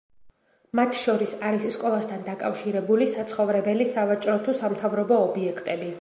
მათ შორის არის სკოლასთან დაკავშირებული, საცხოვრებელი, სავაჭრო თუ სამთავრობო ობიექტები.